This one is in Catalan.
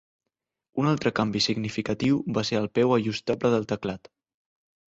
Un altre canvi significatiu va ser el peu ajustable del teclat.